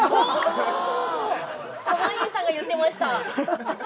そうそう濱家さんが言ってました。